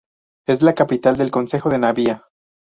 Es la capital del concejo de Navia.